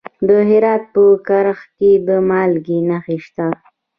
د هرات په کرخ کې د مالګې نښې شته.